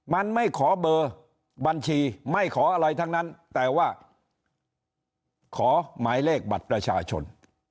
มันไม่ขอเบอร์บัญชีไม่ขออะไรทั้งนั้นแต่ว่าขอหมายเลขบัตรประชาชน